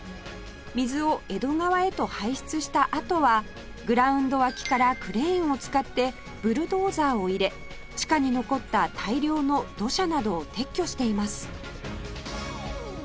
水を江戸川へと排出したあとはグラウンド脇からクレーンを使ってブルドーザーを入れ地下に残った大量の土砂などを撤去しています